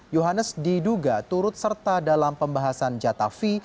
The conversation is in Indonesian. yohanes diduga turut serta dalam pembahasan jatafi